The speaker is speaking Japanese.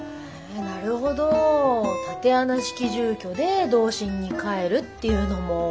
なるほど竪穴式住居で童心に返るっていうのも。